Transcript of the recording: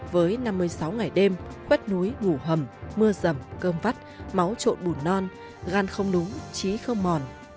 với năm mươi sáu ngày đêm khuét núi ngủ hầm mưa rầm cơm vắt máu trộn bùn non gan không đúng trí không mòn